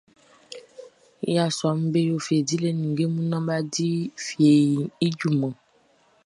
Yasuaʼm be yo fie dilɛ ninnge mun naan bʼa di fieʼn i junman.